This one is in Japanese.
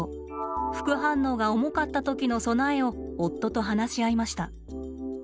副反応が重かった時の備えを夫と話し合いました。